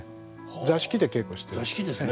座敷で稽古してますね。